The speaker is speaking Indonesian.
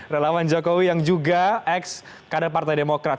relawan jokowi yang juga ex kader partai demokrat